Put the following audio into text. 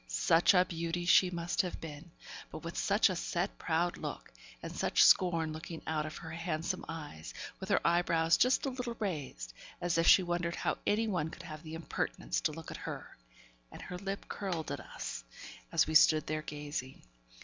Such a beauty she must have been! but with such a set, proud look, and such scorn looking out of her handsome eyes, with her eyebrows just a little raised, as if she wondered how anyone could have the impertinence to look at her, and her lip curled at us, as we stood there gazing.